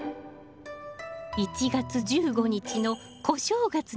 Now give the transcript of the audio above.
１月１５日の小正月の準備ね。